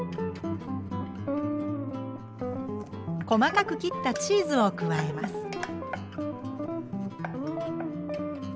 細かく切ったチーズを加えます。